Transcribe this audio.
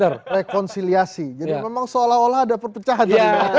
rekonsiliasi jadi memang seolah olah ada perpecahan